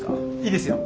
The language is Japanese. いいですよ。